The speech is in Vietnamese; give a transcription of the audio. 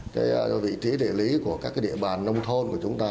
cái vị trí địa lý của các cái địa bàn nông thôn của chúng ta